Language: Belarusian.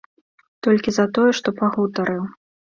Толькі за тое, што пагутарыў.